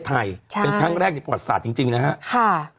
เทศไทยใช่เป็นชั้นแรกที่ปรวจศาสตร์จริงนะฮะไฮ่